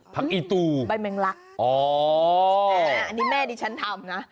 ผักอิตุอ๋ออันนี้แม่ดิฉันทำนะ